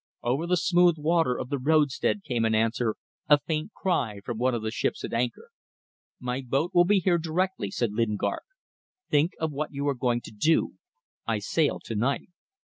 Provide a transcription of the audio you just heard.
Over the smooth water of the roadstead came in answer a faint cry from one of the ships at anchor. "My boat will be here directly," said Lingard. "Think of what you are going to do. I sail to night."